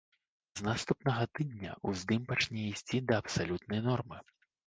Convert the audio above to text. З наступнага тыдня уздым пачне ісці да абсалютнай нормы.